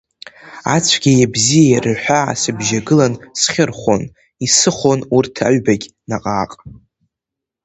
Ацәгьеи абзиеи рҳәаа сыбжьагылан, схьырҳәон, исыхон урҭ аҩбагь наҟ-ааҟ.